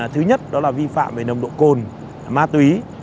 thứ nhất đó là vi phạm về nồng độ cồn ma túy